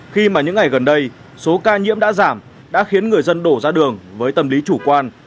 khi mà những ngày gần đây số ca nhiễm đã giảm đã khiến người dân đổ ra đường với tâm lý chủ quan